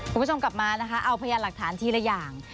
รู้ชมกลับมาเอาพยานหลักฐานทีละอย่าง